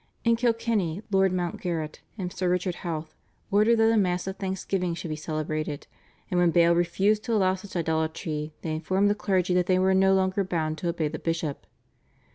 In Kilkenny Lord Mountgarret and Sir Richard Howth ordered that a Mass of thanksgiving should be celebrated, and when Bale refused to allow such idolatry they informed the clergy that they were no longer bound to obey the bishop.